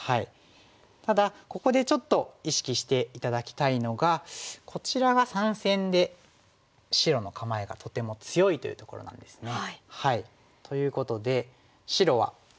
ただここでちょっと意識して頂きたいのがこちらが三線で白の構えがとても強いというところなんですね。ということで白はこのように。